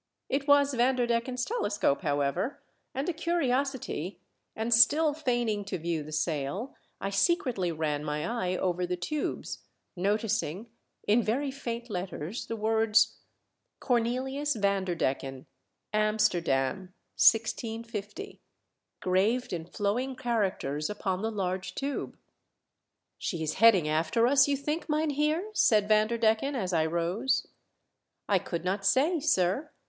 It was Vanderdecken's telescope, however, and a curiosity, and still feigning to view the sail, I secretly ran my eye over the tubes, noticing, in very faint letters, the words, " Cornelius Van der Decken, Amsterdam, 1650," graved in flowing characters upon the large tube. " She is heading after us, you think, myn heer?" said Vanderdecken as I rose. " I could not say, sir.